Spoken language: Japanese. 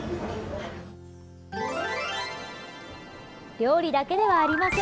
料理だけではありません。